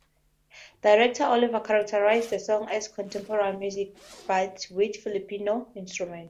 Director Oliva characterized the song as "contemporary music but with Filipino instruments".